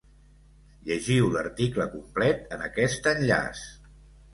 Llegiu l’article complet en aquest enllaç.